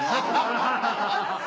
ハハハハハ！